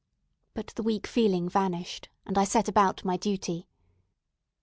But the weak feeling vanished, and I set about my duty.